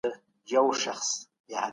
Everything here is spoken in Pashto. تاسي باید د خپل عزت دپاره ويښ واوسئ.